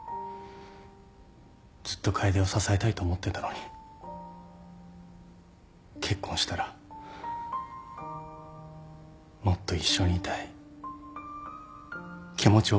ずっと楓を支えたいと思ってたのに結婚したらもっと一緒にいたい気持ちを分かってほしい。